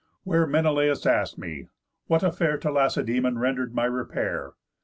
Where Menelaus ask'd me, what affair To Lacedæmon render'd my repair.